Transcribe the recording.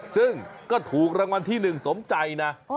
ซึ่งก็ถูกรางวัลที่หนึ่งสมใจ